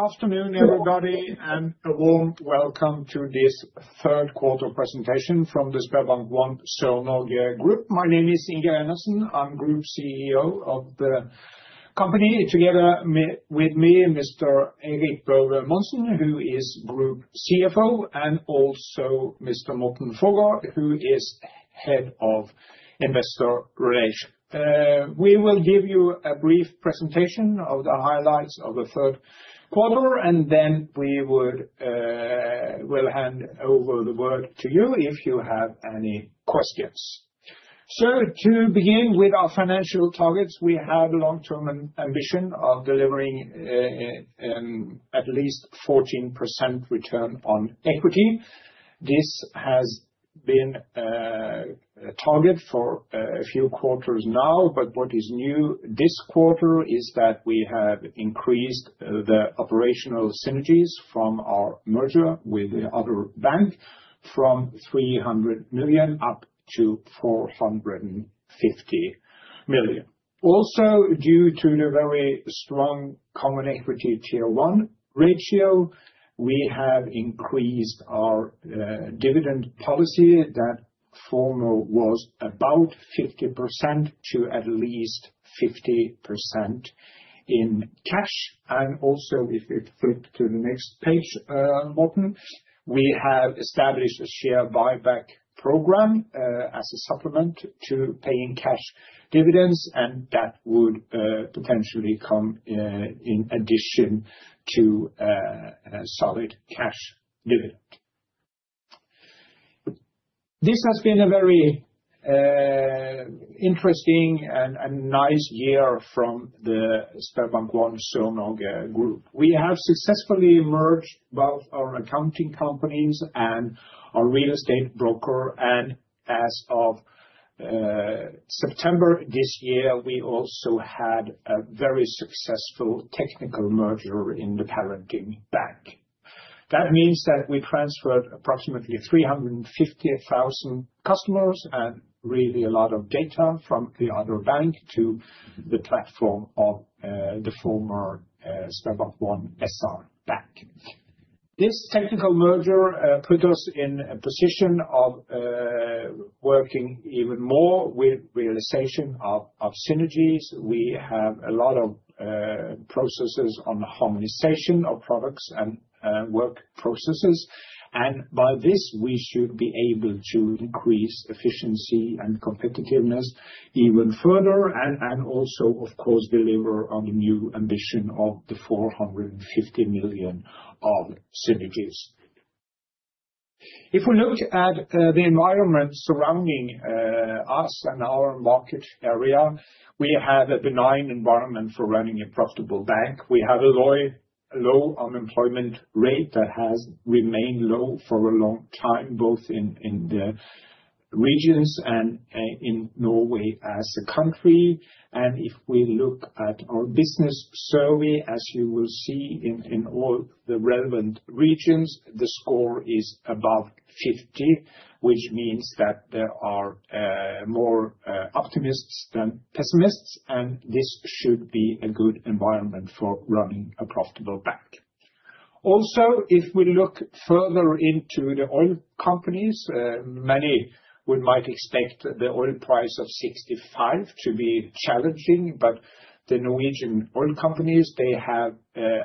Good afternoon, everybody, and a warm welcome to this Third Quarter Presentation from the SpareBank 1 Sør-Norge Group. My name is Inge Reinertsen, I'm Group CEO of the company. Together with me, Mr. Eirik Børve Monsen, who is Group CFO, and also Mr. Morten Forgaard, who is Head of Investor Relations. We will give you a brief presentation of the highlights of the third quarter, and then we will hand over the word to you if you have any questions. To begin with our financial targets, we have long-term ambition of delivering at least 14% return on equity. This has been a target for a few quarters now, but what is new this quarter is that we have increased the operational synergies from our merger with the other bank from 300 million up to 450 million. Also, due to the very strong Common Equity Tier 1 ratio, we have increased our dividend policy that former was about 50% to at least 50% in cash. If you flip to the next page, Morten, we have established a share buyback program as a supplement to paying cash dividends, and that would potentially come in addition to a solid cash dividend. This has been a very interesting and nice year from the SpareBank 1 Sør-Norge Group. We have successfully merged both our accounting companies and our real estate broker, as of September this year, we also had a very successful technical merger in the parenting bank. That means that we transferred approximately 350,000 customers and really a lot of data from the other bank to the platform of the former SpareBank 1 SR-Bank. This technical merger put us in a position of working even more with realization of synergies. We have a lot of processes on harmonization of products and work processes. By this, we should be able to increase efficiency and competitiveness even further and also, of course, deliver on the new ambition of the 450 million of synergies. If we look at the environment surrounding us and our market area, we have a benign environment for running a profitable bank. We have a low unemployment rate that has remained low for a long time, both in the regions and in Norway as a country. If we look at our business survey, as you will see in all the relevant regions, the score is above 50, which means that there are more optimists than pessimists, and this should be a good environment for running a profitable bank. Also, if we look further into the oil companies, many might expect the oil price of $65 to be challenging. The Norwegian oil companies, they have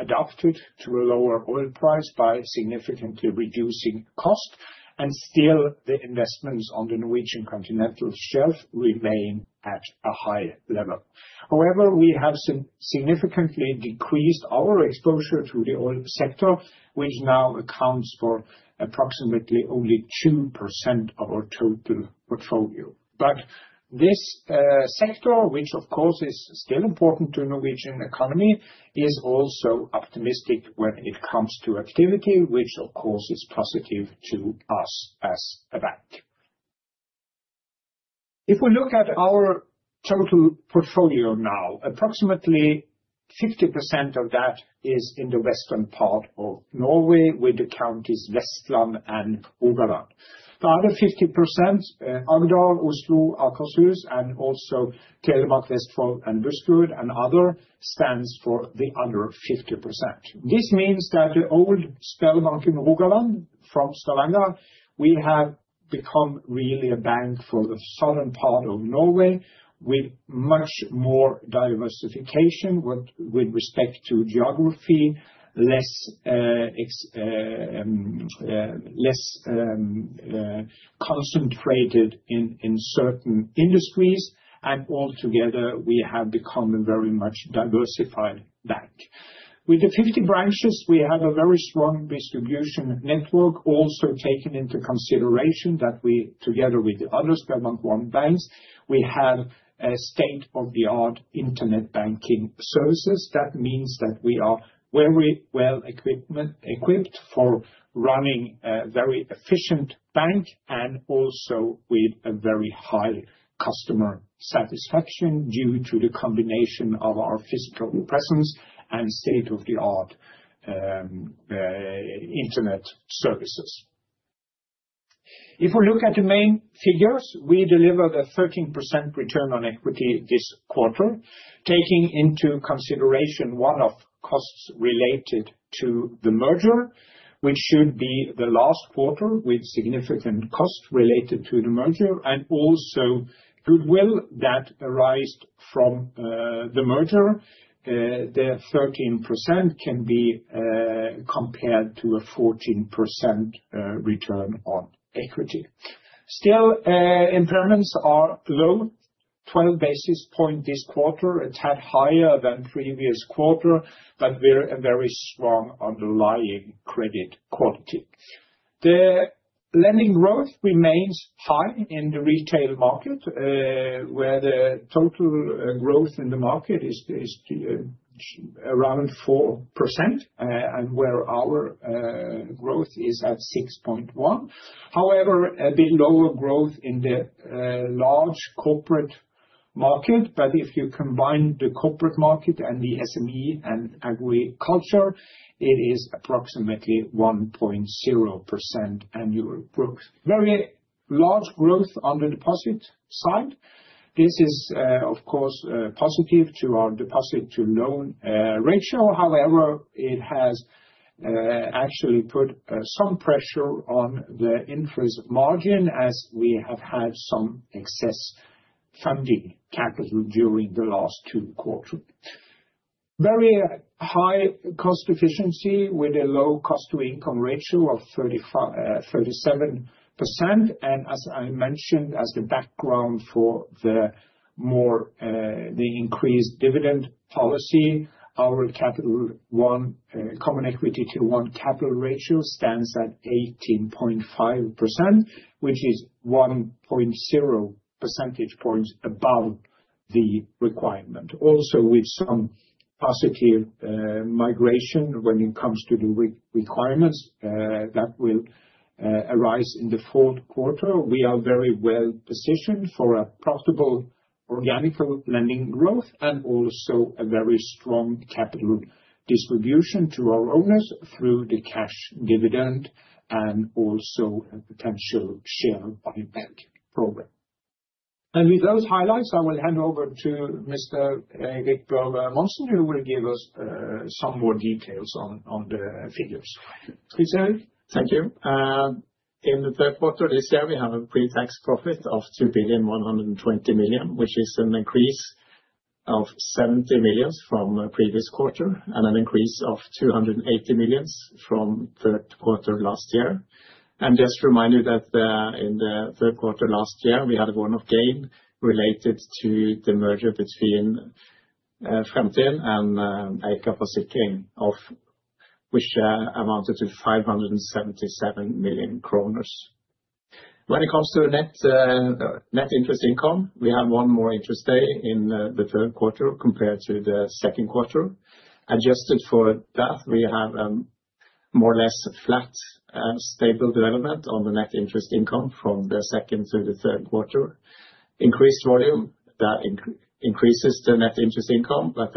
adapted to a lower oil price by significantly reducing cost, and still the investments on the Norwegian Continental Shelf remain at a high level. However, we have significantly decreased our exposure to the oil sector, which now accounts for approximately only 2% of our total portfolio. This sector, which of course is still important to Norwegian economy, is also optimistic when it comes to activity, which of course is positive to us as a bank. If we look at our total portfolio now, approximately 50% of that is in the western part of Norway with the counties Vestland and Rogaland. The other 50%, Agder, Oslo, Akershus, and also Telemark, Vestfold and Buskerud and other, stands for the other 50%. This means that the old Sparebanken Rogaland from Stavanger, we have become really a bank for the southern part of Norway with much more diversification with respect to geography, less concentrated in certain industries. Altogether, we have become a very much diversified bank. With the 50 branches, we have a very strong distribution network also taken into consideration that we, together with the other SpareBank 1 banks, we have a state-of-the-art internet banking services. That means that we are very well equipped for running a very efficient bank and also with a very high customer satisfaction due to the combination of our physical presence and state-of-the-art internet services. If we look at the main figures, we delivered a 13% return on equity this quarter, taking into consideration one-off costs related to the merger, which should be the last quarter with significant costs related to the merger, and also goodwill that arised from the merger, the 13% can be compared to a 14% return on equity. Still, impairments are low. 12 basis point this quarter, a tad higher than previous quarter, but we're a very strong underlying credit quality. The lending growth remains high in the retail market, where the total growth in the market is around 4%, and where our growth is at 6.1%. However, a bit lower growth in the large corporate market. If you combine the corporate market and the SME and agriculture, it is approximately 1.0% annual growth. Very large growth on the deposit side. This is, of course, positive to our deposit to loan ratio. It has actually put some pressure on the interest margin as we have had some excess funding capital during the last two quarters. Very high cost efficiency with a low cost to income ratio of 37%. As I mentioned, as the background for the more, the increased dividend policy, our Common Equity Tier 1 capital ratio stands at 18.5%, which is 1.0 percentage points above the requirement. Also, with some positive migration when it comes to the requirements that will arise in the fourth quarter. We are very well positioned for a profitable organical lending growth and also a very strong capital distribution to our owners through the cash dividend and also a potential share buyback program. With those highlights, I will hand over to Mr. Eirik Børve Monsen, who will give us some more details on the figures. Please, Eirik? Thank you. In the third quarter this year, we have a pre-tax profit of 2,120 million, which is an increase of 70 million from the previous quarter and an increase of 280 million from third quarter last year. Just remind you that in the third quarter last year, we had a one-off gain related to the merger between Fremtind and Eika Forsikring of which amounted to 577 million kroner. When it comes to net interest income, we have one more interest day in the third quarter compared to the second quarter. Adjusted for that, we have more or less flat, stable development on the net interest income from the second to the third quarter. Increased volume, that increases the net interest income, but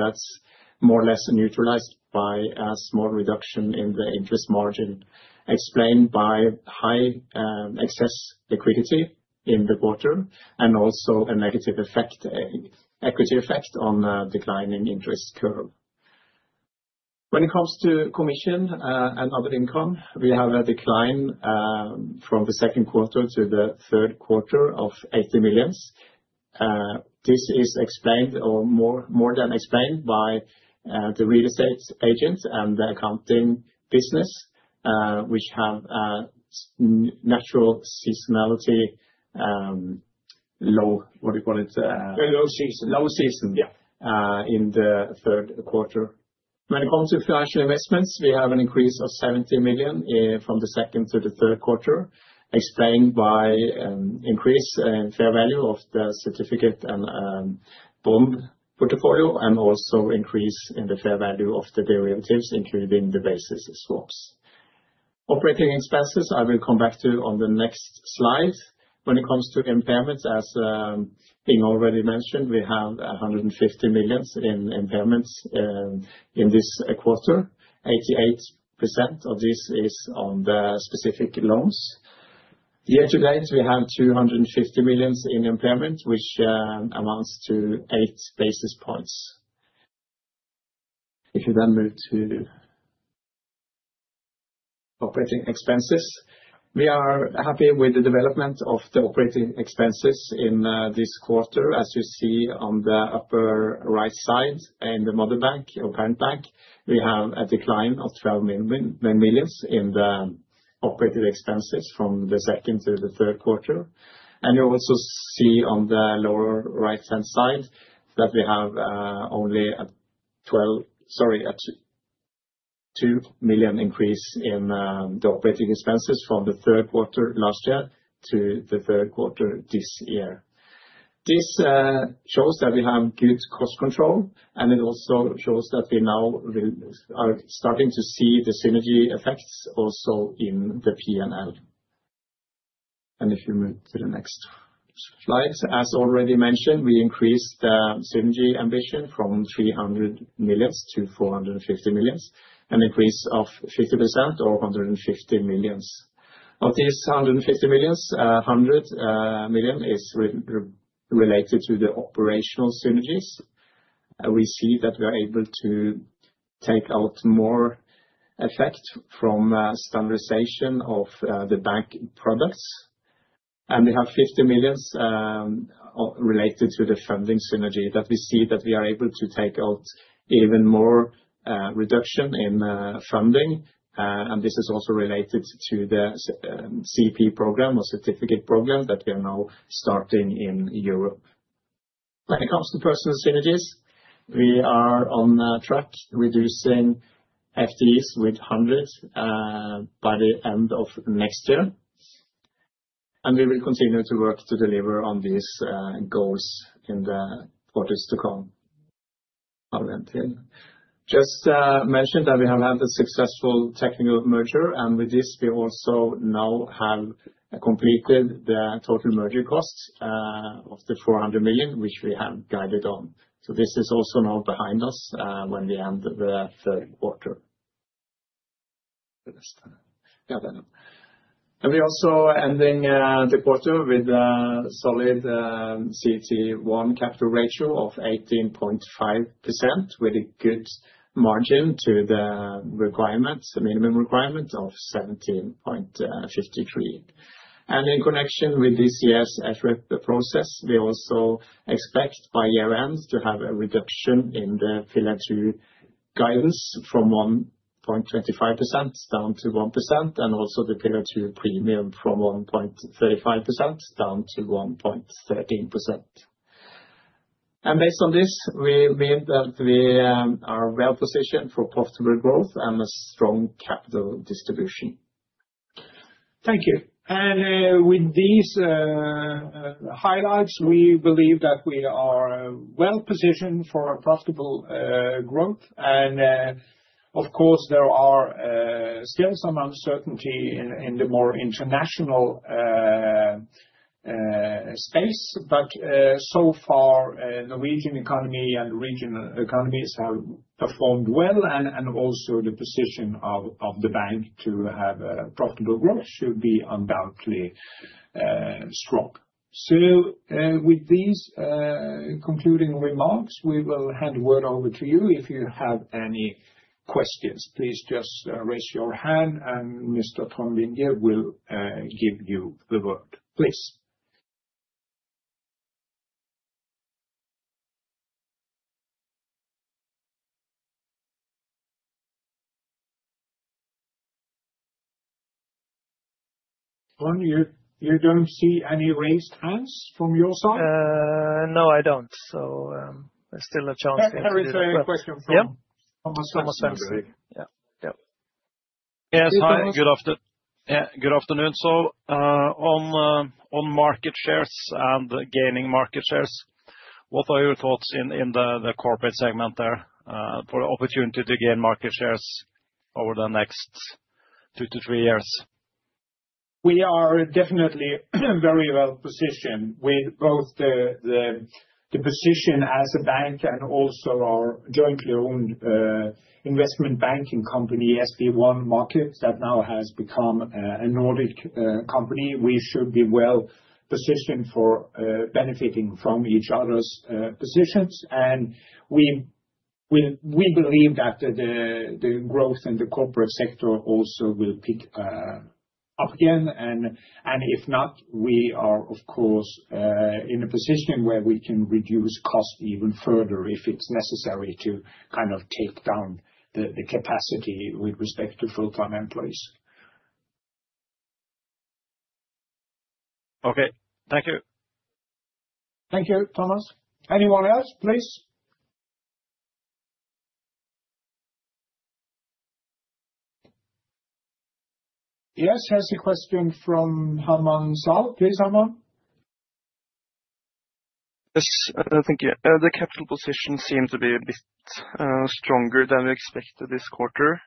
that's more or less neutralized by a small reduction in the interest margin, explained by high, excess liquidity in the quarter and also a negative effect, equity effect on the declining interest curve. When it comes to commission and other income, we have a decline from the second quarter to the third quarter of 80 million. This is explained or more than explained by the real estate agent and the accounting business, which have natural seasonality, low, what do you call it? Very low season. Low season. In the third quarter. When it comes to financial investments, we have an increase of 70 million from the second to the third quarter, explained by increase in fair value of the certificate and bond portfolio, and also increase in the fair value of the derivatives, including the basis swaps. Operating expenses, I will come back to on the next slide. When it comes to impairments, as Inge already mentioned, we have 150 million in impairments in this quarter. 88% of this is on the specific loans. Year to date, we have 250 million in impairment, which amounts to 8 basis points. If you then move to operating expenses. We are happy with the development of the operating expenses in this quarter. As you see on the upper right side in the mother bank or parent bank, we have a decline of 12 million in the operating expenses from the second to the third quarter. You also see on the lower right-hand side that we have only a 2 million increase in the operating expenses from the third quarter last year to the third quarter this year. This shows that we have good cost control, and it also shows that we now are starting to see the synergy effects also in the P&L. If you move to the next slides. As already mentioned, we increased synergy ambition from 300 million to 450 million, an increase of 50% or 150 million. Of these 150 million, 100 million is related to the operational synergies. We see that we are able to take out more effect from standardization of the bank products. We have 50 million related to the funding synergy that we see that we are able to take out even more reduction in funding. This is also related to the CP program or certificate program that we are now starting in Europe. When it comes to personal synergies, we are on track reducing FTEs with 100 by the end of next year. We will continue to work to deliver on these goals in the quarters to come. [Arntzen]. Just mention that we have had a successful technical merger, and with this we also now have completed the total merger costs of the 400 million, which we have guided on. This is also now behind us when we end the third quarter. We're also ending the quarter with a solid CET1 capital ratio of 18.5%, with a good margin to the requirements, the minimum requirement of 17.53%. In connection with this year's FRTB process, we also expect by year-end to have a reduction in the Pillar 2 guidance from 1.25% down to 1%, and also the Pillar 2 premium from 1.35% down to 1.13%. Based on this, we believe that we are well positioned for profitable growth and a strong capital distribution. Thank you. With these highlights, we believe that we are well positioned for profitable growth. Of course, there are still some uncertainty in the more international space. So far, Norwegian economy and regional economies have performed well, and also the position of the bank to have a profitable growth should be undoubtedly strong. With these concluding remarks, we will hand word over to you. If you have any questions, please just raise your hand and Mr. Tronvik will give you the word. Please. Tron, you don't see any raised hands from your side? No, I don't. There's still a chance-- There is a question from-- Yeah. Thomas Svendsen. Thomas Svendsen. Yeah. Yes. Hi. Good afternoon. On, on market shares and gaining market shares, what are your thoughts in the corporate segment there, for opportunity to gain market shares over the next two-three years? We are definitely very well positioned with both the position as a bank and also our jointly owned investment banking company, SB1 Markets, that now has become a Nordic company. We should be well positioned for benefiting from each other's positions. We believe that the growth in the corporate sector also will pick up again. If not, we are of course, in a position where we can reduce cost even further if it's necessary to kind of take down the capacity with respect to full-time employees. Okay. Thank you. Thank you, Thomas. Anyone else, please? Yes. Here's a question from Herman Zahl. Please, Herman. Yes. Thank you. The capital position seemed to be a bit stronger than expected this quarter.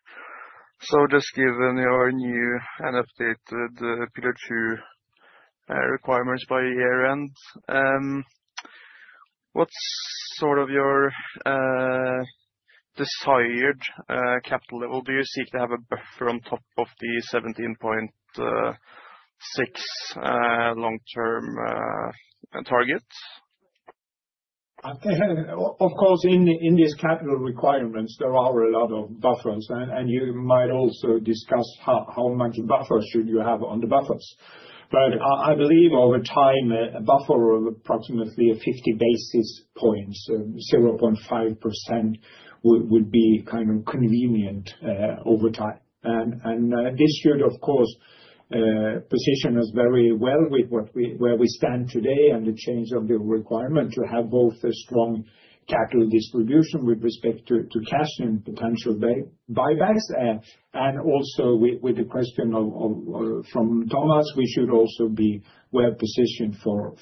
Just given your new and updated Pillar 2 requirements by year-end, what's sort of your desired capital level? Do you seek to have a buffer on top of the 17.6% long-term target? Of course, in these capital requirements, there are a lot of buffers, and you might also discuss how much buffers should you have on the buffers. But I believe over time, a buffer of approximately 50 basis points, 0.5% would be kind of convenient over time. This should of course position us very well with where we stand today and the change of the requirement to have both a strong capital distribution with respect to cash and potential buybacks. Also with the question of from Thomas, we should also be well positioned for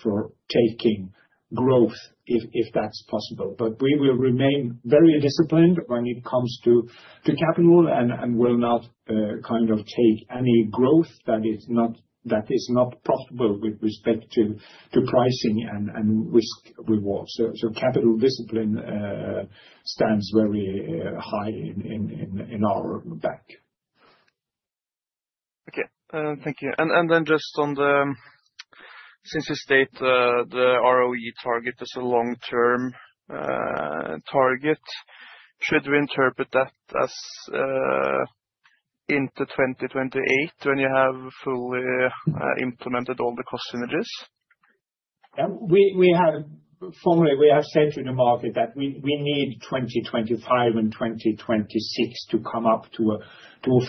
taking growth if that's possible. We will remain very disciplined when it comes to capital and will not kind of take any growth that is not profitable with respect to pricing and risk rewards. Capital discipline stands very high in our bank. Okay. Thank you. Then just on the-- Since you state the ROE target as a long-term target, should we interpret that as into 2028 when you have fully implemented all the cost synergies? We have formerly, we have said to the market that we need 2025 and 2026 to come up to a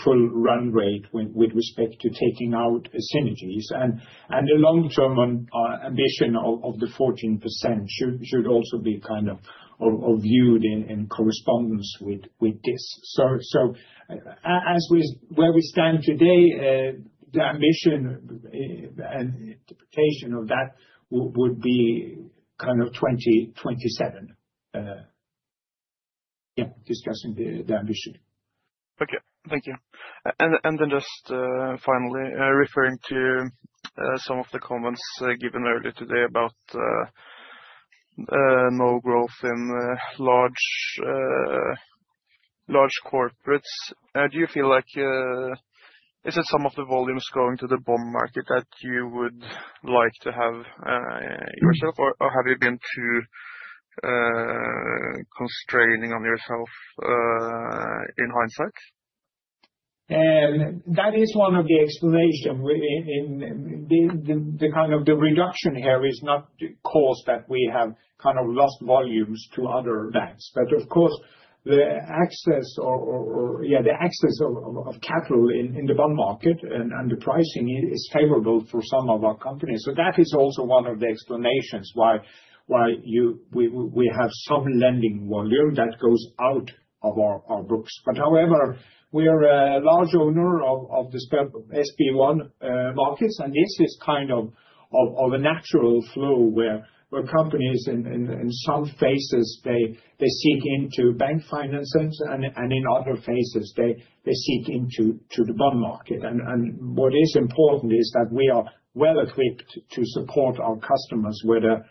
full run rate with respect to taking out synergies. The long term ambition of the 14% should also be kind of viewed in correspondence with this. As we where we stand today, the ambition and interpretation of that would be kind of 2027. Discussing the ambition. Okay, thank you. And then, just finally referring to some of the comments given earlier today about no growth in large corporates. Do you feel like is it some of the volumes going to the bond market that you would like to have yourself, or have you been too constraining on yourself in hindsight? That is one of the explanation in the kind of the reduction here is not caused that we have kind of lost volumes to other banks. Of course, the access or the access of capital in the bond market and the pricing is favorable for some of our companies. That is also one of the explanations why we have some lending volume that goes out of our books. However, we are a large owner of SB1 Markets, and this is kind of a natural flow where companies in some phases, they seek into bank finances, and in other phases, they seek into the bond market. What is important is that we are well equipped to support our customers, whether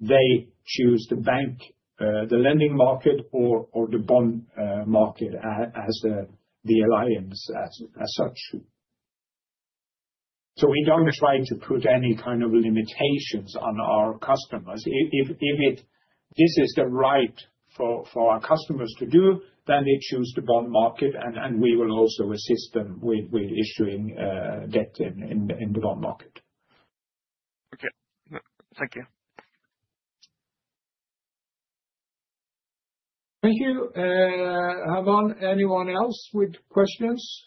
they choose the bank, the lending market or the bond market as the alliance as such. We don't try to put any kind of limitations on our customers. If this is the right for our customers to do, then they choose the bond market and we will also assist them with issuing debt in the bond market. Okay. Thank you. Thank you. Anyone else with questions?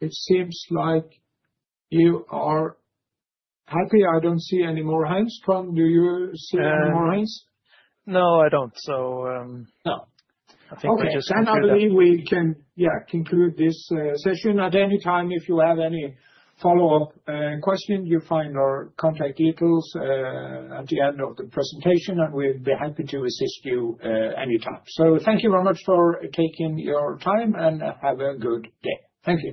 It seems like you are happy. I don't see any more hands. Trond, do you see any more hands? No, I don't. No. I think we just conclude that. Okay. I believe we can, yeah, conclude this session. At any time, if you have any follow-up question, you'll find our contact details at the end of the presentation, and we'll be happy to assist you anytime. Thank you very much for taking your time, and have a good day. Thank you.